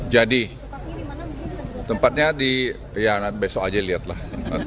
jadi tempatnya di ya besok aja lihat lah